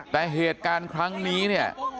แต่เหตุการณ์ครั้งนี้เนี่ย